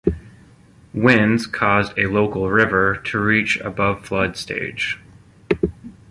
Winds caused a local river to reach above flood stage.